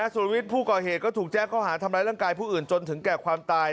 สุรวิทย์ผู้ก่อเหตุก็ถูกแจ้งข้อหาทำร้ายร่างกายผู้อื่นจนถึงแก่ความตาย